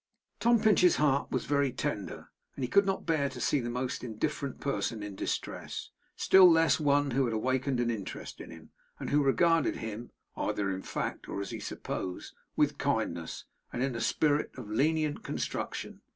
Tom Pinch's heart was very tender, and he could not bear to see the most indifferent person in distress; still less one who had awakened an interest in him, and who regarded him (either in fact, or as he supposed) with kindness, and in a spirit of lenient construction.